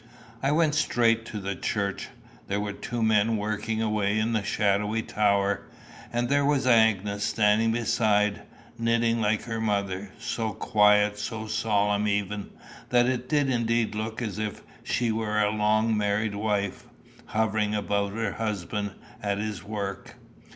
I went straight to the church. There were the two men working away in the shadowy tower, and there was Agnes standing beside, knitting like her mother, so quiet, so solemn even, that it did indeed look as if she were a long married wife, hovering about her husband at his work.